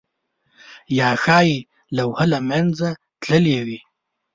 یا ښايي لوحه له منځه تللې وي؟